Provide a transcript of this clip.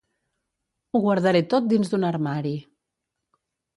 Ho guardaré tot dins d'un armari.